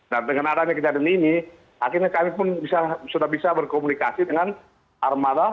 dan dengan adanya kejadian ini akhirnya kami pun sudah bisa berkomunikasi dengan armada